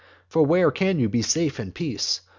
For where can you be safe in peace?